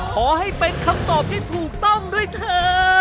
ขอให้เป็นคำตอบที่ถูกต้องด้วยเถอะ